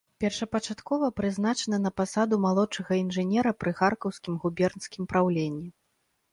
Першапачаткова прызначаны на пасаду малодшага інжынера пры харкаўскім губернскім праўленні.